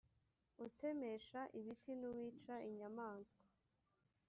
utemesha ibiti n uwica inyamaswa